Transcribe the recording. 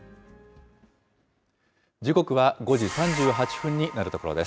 時刻は５時３８分になるところです。